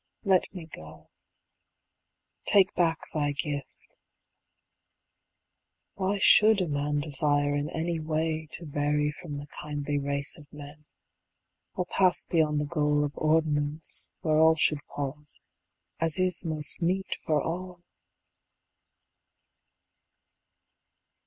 Let me go: take back thy gift: Why should a man desire in any way To vary from the kindly race of men, Or pass beyond the goal of ordinance Where all should pause, as is most meet for all?